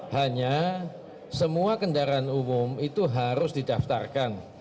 hanya semua kendaraan umum itu harus didaftarkan